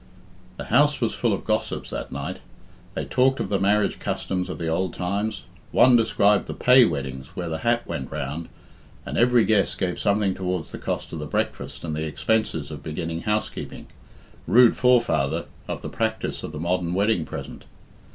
The house was full of gossips that night. They talked of the marriage customs of old times. One described the "pay weddings," where the hat went round, and every guest gave something towards the cost of the breakfast and the expenses of beginning housekeeping rude forefather of the practice of the modern wedding present.